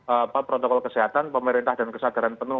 apa protokol kesehatan pemerintah dan kesadaran penuh